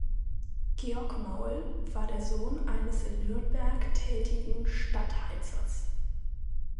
Georg Maul war der Sohn eines in Nürnberg tätigen Stadtheizers.